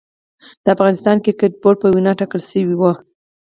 د افغانستان کريکټ بورډ په وينا ټاکل شوې وه